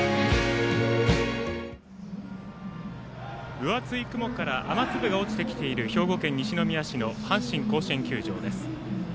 分厚い雲から雨粒が落ちてきている兵庫県西宮市の阪神甲子園球場です。